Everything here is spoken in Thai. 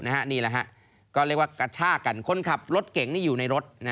ก็เรียกว่ากระชากันคนขับรถเก่งนี่อยู่ในรถ